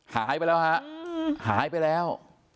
หายไปแล้วฮะหายไปแล้ว